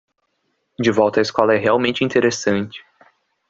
De volta à escola é realmente interessante